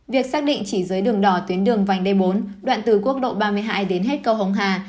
việc xác định chỉ giới đường đỏ tuyến đường vảnh đe bốn đoạn từ quốc lộ ba mươi hai đến hết cầu hồng hà